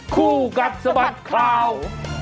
คู่กัดสมัครข่าว